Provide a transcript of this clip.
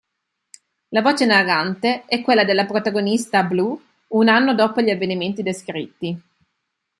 La voce narrante è quella della protagonista, Blue, un anno dopo gli avvenimenti descritti.